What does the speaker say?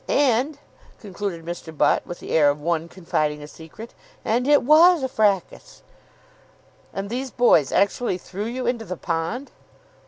And," concluded Mr. Butt, with the air of one confiding a secret, "and it was a frakkus!" "And these boys actually threw you into the pond?"